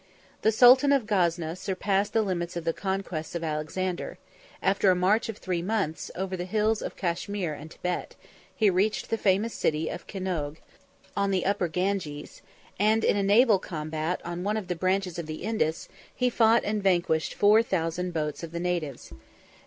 5 The sultan of Gazna surpassed the limits of the conquests of Alexander: after a march of three months, over the hills of Cashmir and Thibet, he reached the famous city of Kinnoge, 6 on the Upper Ganges; and, in a naval combat on one of the branches of the Indus, he fought and vanquished four thousand boats of the natives.